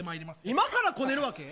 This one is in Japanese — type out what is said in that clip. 今からこねるの。